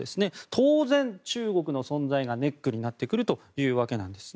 当然、中国の存在がネックになってくるわけです。